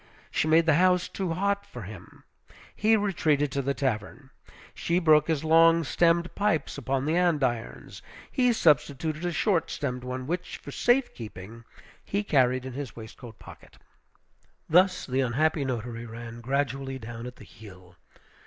She made the house too hot for him, he retreated to the tavern; she broke his long stemmed pipes upon the andirons, he substituted a short stemmed one, which, for safe keeping, he carried in his waistcoat pocket. Thus the unhappy notary ran gradually down at the heel.